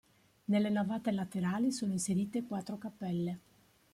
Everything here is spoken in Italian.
Nelle navate laterali sono inserite quattro cappelle.